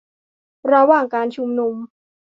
ระหว่างการชุมนุม